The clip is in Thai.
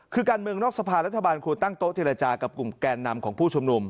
คือการเมืองนอกสภารัฐบาลควรตั้งโต๊ะเจรจากับกลุ่มแกนนำของผู้ชุมนุม